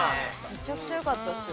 めちゃくちゃ良かったですよ。